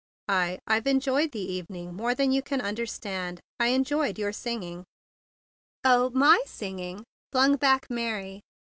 "I—I've enjoyed the evening more than you can understand. I enjoyed your singing." "Oh! My singing!" flung back Mary.